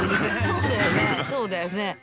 そうだよねそうだよね。